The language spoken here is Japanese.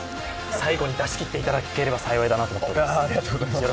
最後に出し切っていただければ幸いだなと思います。